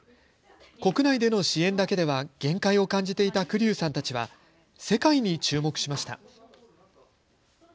国内での支援だけでは限界を感じていた栗生さんたちは世界に注目しました。